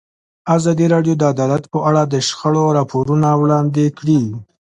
ازادي راډیو د عدالت په اړه د شخړو راپورونه وړاندې کړي.